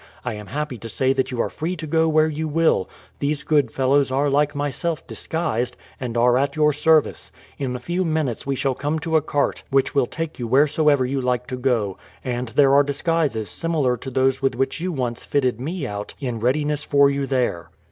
I am happy to say that you are free to go where you will; these good fellows are like myself disguised, and are at your service. In a few minutes we shall come to a cart which will take you wheresoever you like to go, and there are disguises similar to those with which you once fitted me out in readiness for you there."